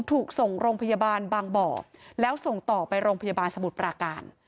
ถูกส่งโรงพยาบาลบางบ่อแล้วส่งต่อไปโรงพยาบาลสมุทรปราการ